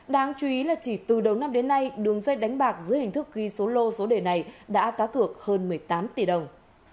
đáng chú ý là chỉ từ đầu năm đến nay đường dây đánh bạc dưới hình thức ghi số lô số đề này đã cá cược hơn một mươi tám tỷ đồng